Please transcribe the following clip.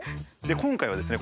今回はですね